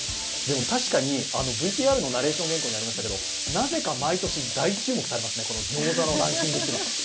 確かにＶＴＲのナレーション原稿にありましたけれども、なぜか毎年、大注目されますね、ギョーザのランキングというのは。